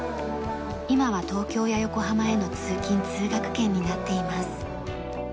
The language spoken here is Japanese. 今は東京や横浜への通勤通学圏になっています。